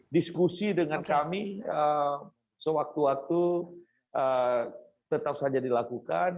diskusi dengan kami sewaktu waktu tetap saja dilakukan